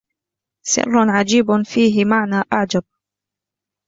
سر عجيب فيه معنى أعجب